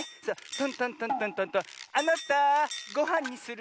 トントントントンあなたごはんにする？